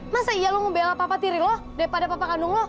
masa iya lo membela papa tiri lo daripada papa kandung lo